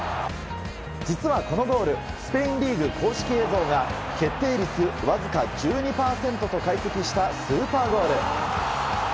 実は、このゴールスペインリーグ公式映像が決定率わずか１２％と解析した、スーパーゴール。